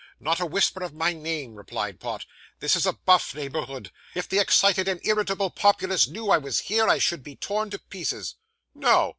'Not a whisper of my name,' replied Pott; 'this is a buff neighbourhood. If the excited and irritable populace knew I was here, I should be torn to pieces.' 'No!